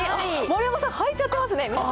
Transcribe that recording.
丸山さん、履いちゃってますね。